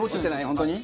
本当に？